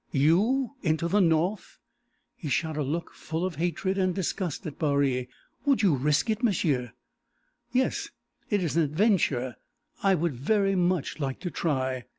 You? Into the North?" He shot a look full of hatred and disgust at Baree. "Would you risk it, m'sieu?" "Yes. It is an adventure I would very much like to try.